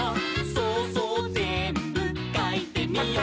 「そうそうぜんぶかいてみよう」